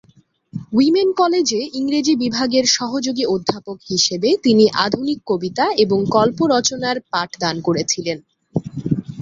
Women কলেজে ইংরেজি বিভাগের সহযোগী অধ্যাপক হিসাবে তিনি আধুনিক কবিতা এবং "কল্প রচনা"র পাঠদান করেছিলেন।